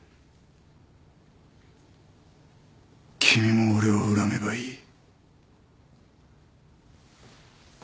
君も俺を恨めばいい。